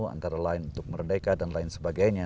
antara lain untuk merdeka dan lain sebagainya